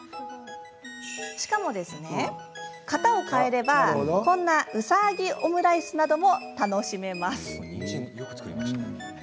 しかも、型を変えればうさぎオムライスなども楽しめます。